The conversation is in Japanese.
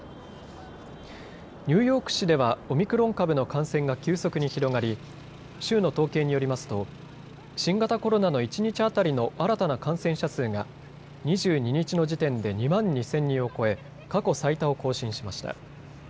ニューヨーク市ではオミクロン株の感染が急速に広がり州の統計によりますと新型コロナの一日当たりの新たな感染者数が２２日の時点で２万２０００人を超え、過去最多を更新しました。